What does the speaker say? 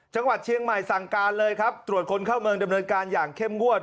จังหวัดเชียงใหม่สั่งการเลยครับตรวจคนเข้าเมืองดำเนินการอย่างเข้มงวด